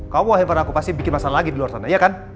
kamu akhirnya pada aku pasti bikin masalah lagi di luar sana iya kan